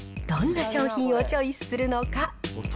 どんな商品をチョイスするのか。